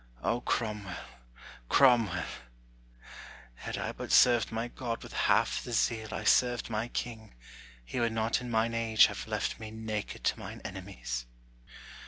O Cromwell, Cromwell! Had I but served my God with half the zeal I served my king, he would not in mine age Have left me naked to mine enemies!